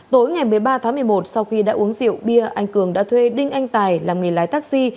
tối ngày một mươi ba tháng một mươi một sau khi đã uống rượu bia anh cường đã thuê đinh anh tài làm người lái taxi